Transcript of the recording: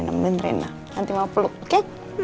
nanti mau peluk oke